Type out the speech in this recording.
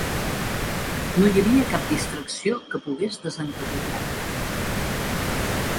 No hi havia cap distracció que pogués desencaboriar-la.